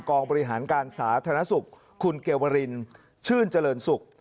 กองบริหารการสาธารณสุขคุณเกวรินชื่นเจริญศุกร์